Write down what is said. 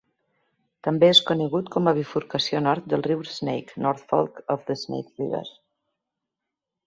També és conegut com a bifurcació nord del riu Snake (North Fork of the Snake River).